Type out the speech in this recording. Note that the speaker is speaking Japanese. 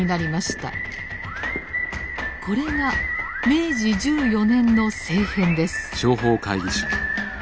これが明治十四年の政変です。